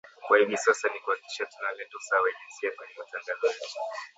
kwa hivi sasa ni kuhakikisha tuna leta usawa wa jinsia kwenye matangazo yetu